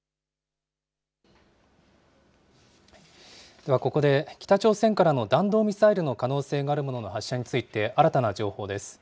では、ここで北朝鮮からの弾道ミサイルの可能性があるものの発射について、新たな情報です。